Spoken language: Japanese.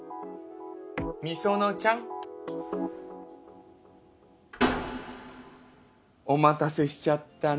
美園ちゃん。お待たせしちゃったね。